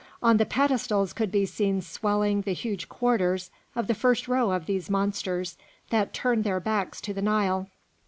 On the pedestals could be seen swelling the huge quarters of the first row of these monsters, that turned their backs to the Nile.